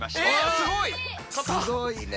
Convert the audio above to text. すごいね。